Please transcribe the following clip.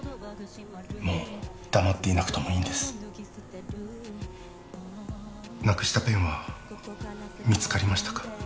もう黙っていなくともいいんですなくしたペンは見つかりましたか？